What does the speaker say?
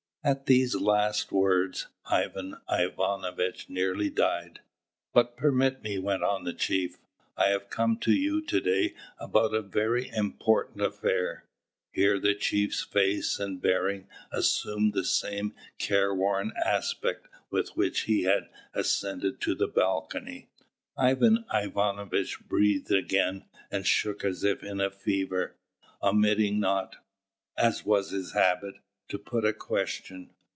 At these last words, Ivan Ivanovitch nearly died. "But permit me," went on the chief. "I have come to you to day about a very important affair." Here the chief's face and bearing assumed the same careworn aspect with which he had ascended to the balcony. Ivan Ivanovitch breathed again, and shook as if in a fever, omitting not, as was his habit, to put a question.